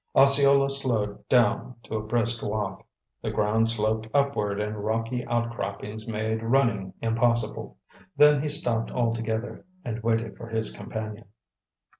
Osceola slowed down to a brisk walk. The ground sloped upward and rocky outcroppings made running impossible. Then he stopped altogether and waited for his companion.